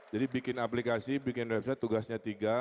jadi bikin aplikasi bikin website tugasnya tiga